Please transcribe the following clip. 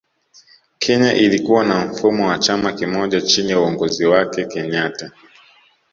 Kenya ilikuwa na mfumo wa chama kimoja chini ya uongozi wake kenyatta